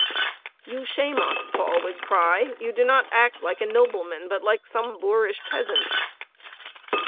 "You shame us!" Paul would cry. "You do not act like a nobleman, but like some boorish peasant."